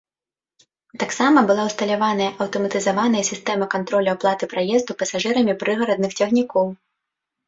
Таксама была ўсталяваная аўтаматызаваная сістэма кантролю аплаты праезду пасажырамі прыгарадных цягнікоў.